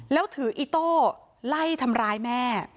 แล้วถืออิโต้ไล่ทำร้ายแม่